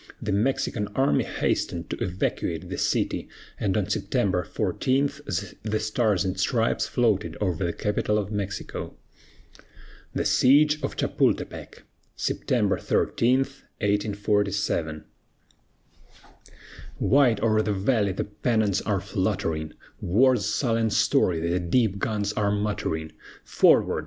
The Mexican army hastened to evacuate the city, and on September 14 the Stars and Stripes floated over the capital of Mexico. THE SIEGE OF CHAPULTEPEC [September 13, 1847] Wide o'er the valley the pennons are fluttering, War's sullen story the deep guns are muttering, Forward!